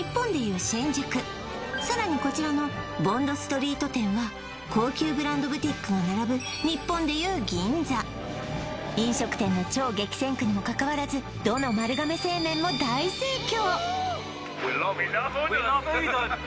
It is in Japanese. さらにこちらのボンドストリート店は高級ブランドブティックが並ぶ飲食店の超激戦区にもかかわらずどの丸亀製麺も大盛況！